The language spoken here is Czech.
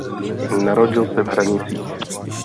Narodil se v Hranicích.